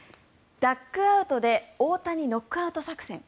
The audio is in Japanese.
ダッグアウトで大谷ノックアウト作戦！